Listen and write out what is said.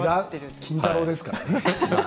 金太郎ですからね。